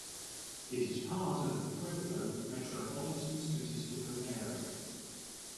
It is part of the Pueblo Metropolitan Statistical Area.